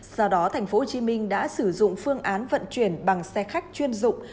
do đó tp hcm đã sử dụng phương án vận chuyển bằng xe khách chuyên dụng